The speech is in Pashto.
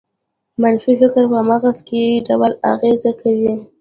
منفي فکر په مغز څه ډول اغېز کوي؟